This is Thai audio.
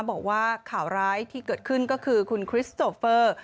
บอกว่าข่าวร้ายที่เกิดขึ้นก็คือคุณคริสโตเฟอร์